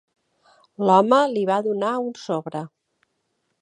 L'home li va donar un sobre.